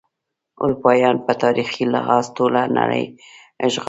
اروپایان په تاریخي لحاظ ټوله نړۍ اشغالوي.